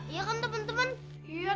iya kan temen temen